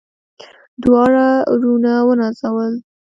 دواړه وروڼه ونازول.